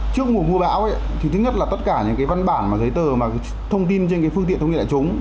trước mùa mưa bão tất cả những văn bản giấy tờ thông tin trên phương tiện thông tin đại chúng